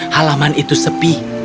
halaman itu sepi